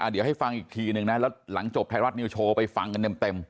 เดี๋ยวให้ฟังอีกทีนึงนะแล้วหลังจบไทยรัฐนิวโชว์ไปฟังกันเต็ม